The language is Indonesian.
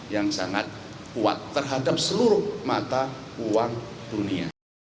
yang sangat kuat terhadap seluruh mata uang dunia